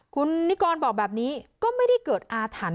คุณนิกรบอกแบบนี้ก็ไม่ได้เกิดอาถรรพ